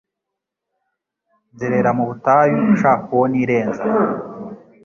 Nzerera mu butayu.nshaka uwo nirenza